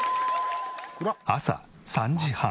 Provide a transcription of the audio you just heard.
朝３時半。